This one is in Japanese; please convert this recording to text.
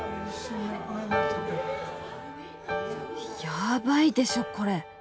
やばいでしょこれ。